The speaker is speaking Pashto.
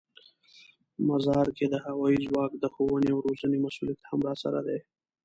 مزار کې د هوايي ځواک د ښوونې او روزنې مسوولیت هم راسره دی.